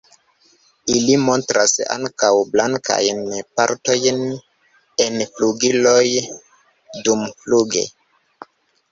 Ili montras ankaŭ blankajn partojn en flugiloj dumfluge.